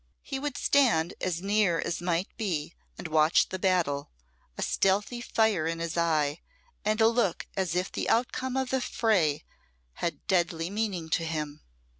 He would stand as near as might be and watch the battle, a stealthy fire in his eye, and a look as if the outcome of the fray had deadly meaning to him.